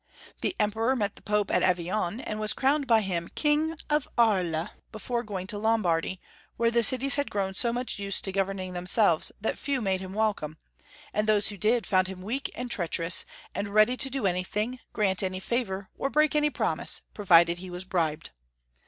The Emperor met the Pope at Avignon, and was crowned by him King of Aries, before going to Lombardy, where the cities had grown so much used to governing them selves that few made him welcome, and those who did found him weak and treacherous, and ready to do anything, grant any favor, or break any prom ise, provided he was bribed.